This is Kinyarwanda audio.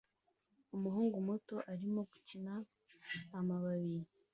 Umuhungu muto arimo gukina amababi